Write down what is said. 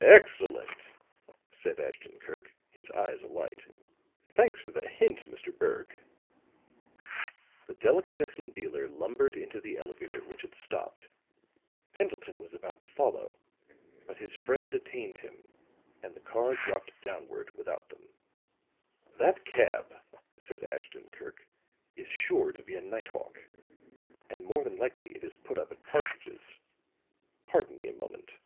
"Excellent!" said Ashton Kirk, his eyes alight. "Thanks for the hint, Mr. Berg." The delicatessen dealer lumbered into the elevator which had stopped; Pendleton was about to follow, but his friend detained him, and the car dropped downward without them. "That cab," said Ashton Kirk, "is sure to be a night hawk; and more than likely it is put up at Partridge's. Pardon me a moment."